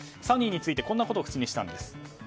ＳＯＮＮＹについてこんなことを口にしたんです。